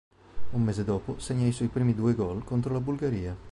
Un mese dopo, segna i suoi primi due gol contro la Bulgaria.